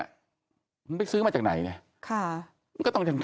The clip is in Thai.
มันไปซื้อมาจากไหนเนี่ย